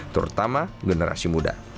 terutama generasi muda